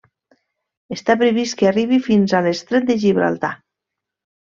Està previst que arribi fins a l'estret de Gibraltar.